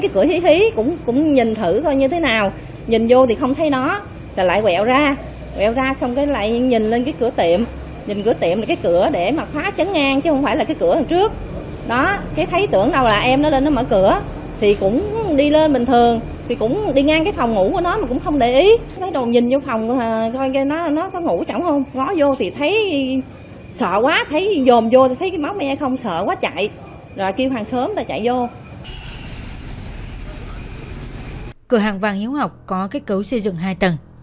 cửa hàng vàng hiếu học có kết cấu xây dựng hai tầng